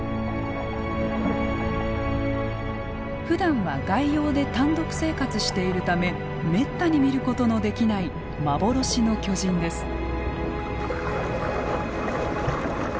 ふだんは外洋で単独生活しているためめったに見ることのできない幻の巨人です。